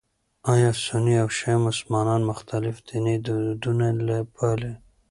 ایا سني او شیعه مسلمانان مختلف ديني دودونه پالي؟